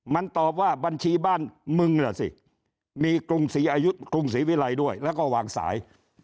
มันตอบว่าบัญชีบ้านมึงล่ะสิมีกรุงศรีอายุกรุงศรีวิรัยด้วยแล้วก็วางสาย